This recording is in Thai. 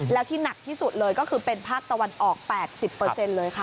แล้วที่หนักที่สุดเลยก็คือเป็นภาคตะวันออก๘๐เลยค่ะ